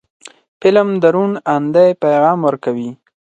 فلم د روڼ اندۍ پیغام ورکوي